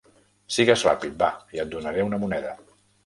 Sigues ràpid, va, i et donaré una moneda.